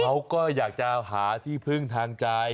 เขาก็อยากจะหาที่พึ่งทางใจ